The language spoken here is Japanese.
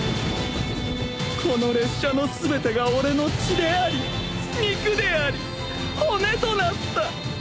この列車の全てが俺の血であり肉であり骨となった！